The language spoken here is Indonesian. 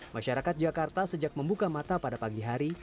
masyarakat jakarta sejak membuka mata pada pagi hari